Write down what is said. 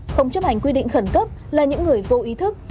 không chấp hành quy định khẩn cấp là những người vô ý thức